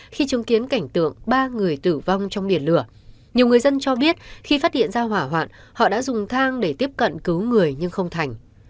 khi chứng kiến cảnh tượng ba người tử vong trong biển lửa nhiều người dân cho biết khi phát hiện ra hỏa hoạn họ đã dùng thang để tiếp cận cứu người nhưng không thành